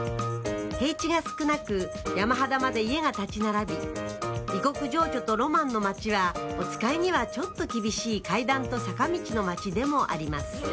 平地が少なく山肌まで家が立ち並び異国情緒とロマンの街はおつかいにはちょっと厳しい階段と坂道の街でもあります